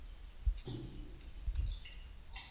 که انلاین ملاتړ دوام ولري، زده کوونکي یوازي نه پاته کيږي.